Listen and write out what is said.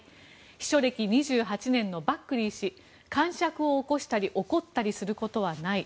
秘書歴２８年のバックリー氏かんしゃくを起こしたり怒ったりすることはない。